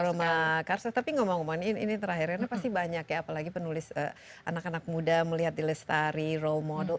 aroma karsa tapi ngomong ngomong ini terakhirnya pasti banyak ya apalagi penulis anak anak muda melihat di listari role model